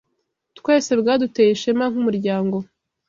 twese bwaduteye ishema nk’ umuryango